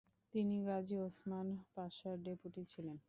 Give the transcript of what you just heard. তিনি Gazi Osman পাশার deputy ছিলেন।